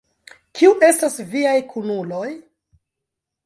Kiu estas viaj kunuloj?